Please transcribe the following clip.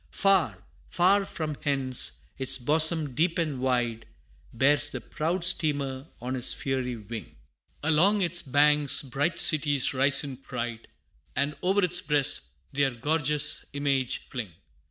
Far, far from hence, its bosom deep and wide, Bears the proud steamer on its fiery wing Along its banks, bright cities rise in pride, And o'er its breast their gorgeous image fling.